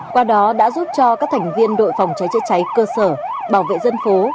qua đó đã giúp cho các thành viên đội phòng cháy chữa cháy cơ sở bảo vệ dân phố